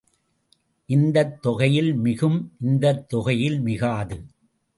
இந்தத் தொகையில் மிகும் இந்தத் தொகையில் மிகாது.